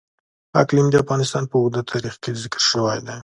اقلیم د افغانستان په اوږده تاریخ کې ذکر شوی دی.